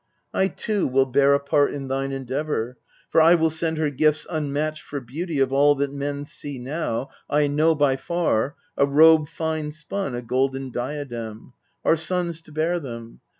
I too will bear a part in thine endeavour ; For I will send her gifts unmatched for beauty Of all that men see now, I know, by far, A robe fine spun, a golden diadem ; Our sons to bear them.